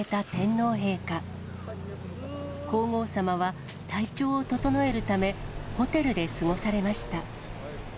皇后さまは、体調を整えるため、ホテルで過ごされました。